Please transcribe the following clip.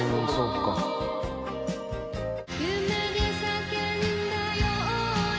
「夢で叫んだように」